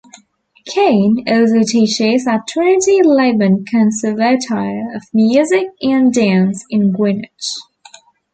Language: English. Caine also teaches at Trinity Laban Conservatoire of Music and Dance in Greenwich.